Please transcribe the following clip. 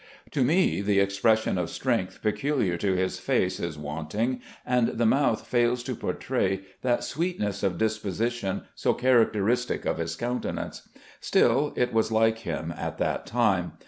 To me, the expression of strength peculiar to his face is wanting, and the mouth fails to portray that sweetness of disposition so characteristic of his coimtenance. Still, it was like him at that time.